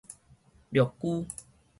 陸龜